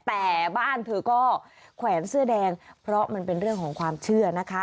แต่บ้านเธอก็แขวนเสื้อแดงเพราะมันเป็นเรื่องของความเชื่อนะคะ